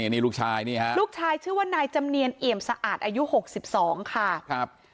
นี่ลูกชายนี่ฮะลูกชายชื่อว่านายจำเนียนเอี่ยมสะอาดอายุ๖๒ค่ะครับ